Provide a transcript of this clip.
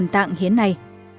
tạng hiến này